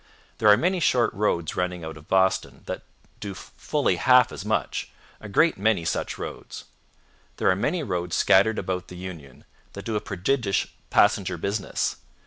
There are many short roads running out of Boston that do fully half as much; a great many such roads. There are many roads scattered about the Union that do a prodigious passenger business.